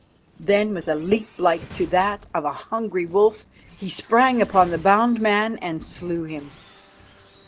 Then, with a leap like to that of a hungry wolf, he sprang upon the bound man and slew him.